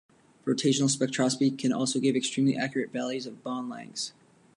Rotational spectroscopy can also give extremely accurate values of bond lengths.